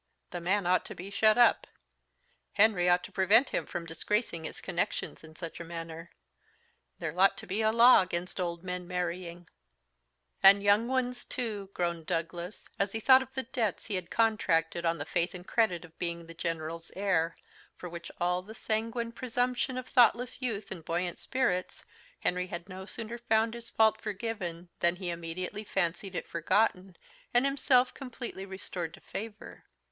The man ought to be shut up. Henry ought to prevent him from disgracing his connexions in such a manner. There ought to be a law against old men marrying " "And young ones too," groaned Douglas, as he thought of the debts he had contracted on the faith and credit of being the General's heir; for with all the sanguine presumption of thoughtless youth and buoyant spirits, Henry had no sooner found his fault forgiven than he immediately fancied it forgotten, and himself completely restored to favour.